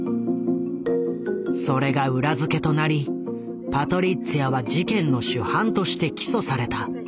それが裏付けとなりパトリッツィアは事件の主犯として起訴された。